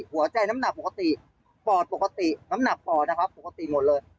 หัวใจน้ำหนักปกติปอดปกติน้ำหนักปอดนะครับปกติหมดเลย